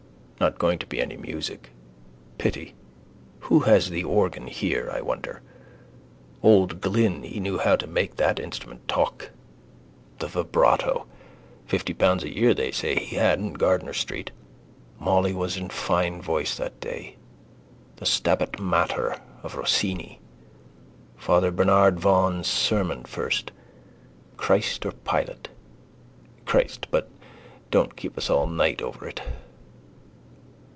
Not going to be any music. Pity. Who has the organ here I wonder? Old Glynn he knew how to make that instrument talk, the vibrato: fifty pounds a year they say he had in Gardiner street. Molly was in fine voice that day, the Stabat Mater of Rossini. Father Bernard Vaughan's sermon first. Christ or Pilate? Christ, but don't keep us all night over it.